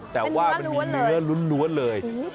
แต่ว่ามันมีเนื้อล้วนเลยอุ๊ยตายแล้ว